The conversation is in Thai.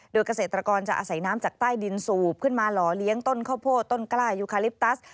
โดยเกษตรกรจะอาศัยน้ำจากใต้ดินสูบขึ้นมาหล่อเลี้ยงต้นข้าวโพดต้นกล้ายูคาลิปตัส